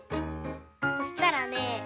そしたらね